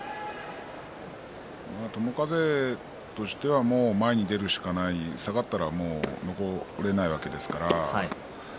友風としてはもう前に出るしかない下がったら残れないわけですから。